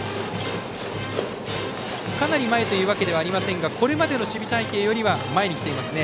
かなり前というわけではありませんがこれまでの守備隊形よりは前に来ていますね。